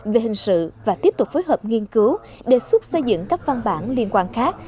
về hình sự và tiếp tục phối hợp nghiên cứu đề xuất xây dựng các văn bản liên quan khác